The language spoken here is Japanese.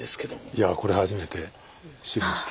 いやこれ初めて知りました。